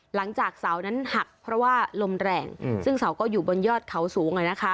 หลังจากเสานั้นหักเพราะว่าลมแรงซึ่งเสาก็อยู่บนยอดเขาสูง